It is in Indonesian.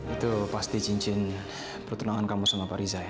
itu pasti cincin pertenangan kamu sama pak riza ya